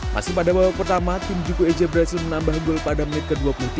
masih pada babak pertama tim juku eja berhasil menambah gol pada menit ke dua puluh tiga